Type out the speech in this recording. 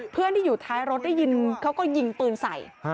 เพื่อนที่อยู่ท้ายรถได้ยินเขาก็ยิงปืนใส่